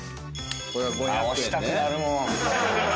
押したくなるもん。